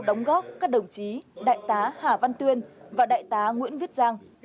đóng góp các đồng chí đại tá hà văn tuyên và đại tá nguyễn viết giang